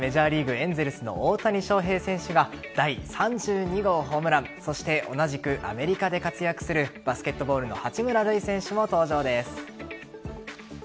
エンゼルスの大谷翔平選手が第３２号ホームラン同じくアメリカで活躍するバスケットボールの八村塁選手も登場です。